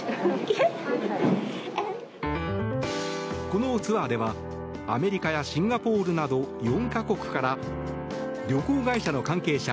このツアーでは、アメリカやシンガポールなど４か国から旅行会社の関係者